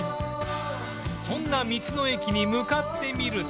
そんな道の駅に向かってみると